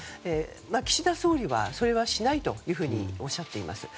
岸田総理は、それはしないとおっしゃっています。